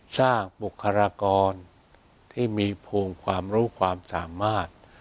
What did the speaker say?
บุคลากรที่มีภูมิความรู้ความสามารถ